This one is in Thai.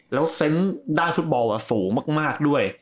แล้วเซนต์ด้านฟุตบอลสูงมากด้วย